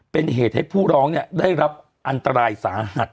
เป็นเหตุให้ผู้ร้องได้รับอันตรายสาหัส